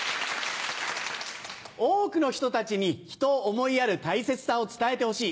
多くの人たちにひとを思いやる大切さを伝えてほしい。